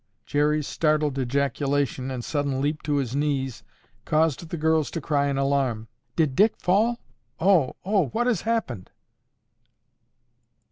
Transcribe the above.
Jerry's startled ejaculation and sudden leap to his knees caused the girls to cry in alarm, "Did Dick fall? Oh! Oh! What has happened?"